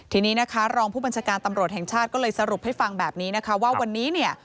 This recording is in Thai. ทีนี้นะคะรองผู้บัญชาการตำรวจแห่งชาติก็เลยสรุปให้ฟังแบบนี้นะคะว่าวันนี้เนี่ย